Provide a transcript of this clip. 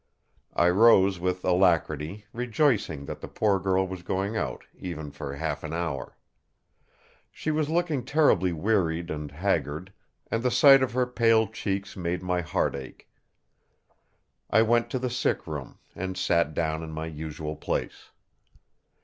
I rose with alacrity, rejoicing that the poor girl was going out, even for half an hour. She was looking terribly wearied and haggard; and the sight of her pale cheeks made my heart ache. I went to the sick room; and sat down in my usual place.